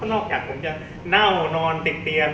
นอกจากผมจะเนา้นอนติดเกง